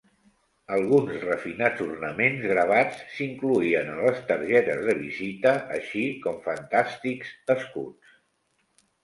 Alguns refinats ornaments gravats s'incloïen en les targetes de visita així com fantàstics escuts.